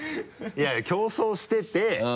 いやいや競争してて。